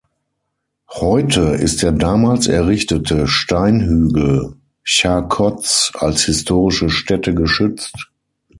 Heute ist der damals errichtete „Steinhügel“ Charcots als historische Stätte geschützt.